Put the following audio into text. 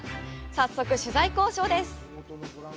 早速、取材交渉です。